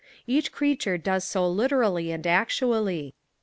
Each creature does so literally and actually.